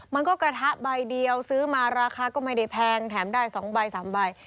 มันก็กระทะใบเดียวซื้อมาราคาก็ไม่ได้แพงแถมได้๒ใบ๓ใบ